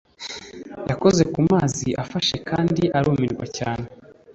yakoze ku mazi afashe kandi arumirwa cyane